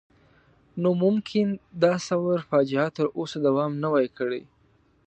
نو ممکن د ثور فاجعه تر اوسه دوام نه وای کړی.